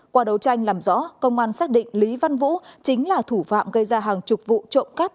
qua đấu tranh làm rõ công an xác định lý văn vũ chính là thủ phạm gây ra hàng chục vụ trộm cắp